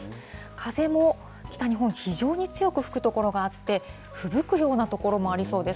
風も北日本、非常に強く吹く所があって、ふぶくような所もありそうです。